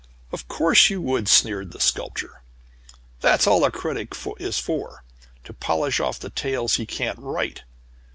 "Of course you would," sneered the Sculptor. "That's all a critic is for to polish off the tales he can't write.